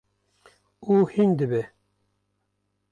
û hîn dibe.